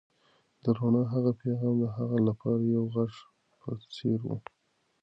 د رڼا هغه پیغام د هغه لپاره د یو غږ په څېر و.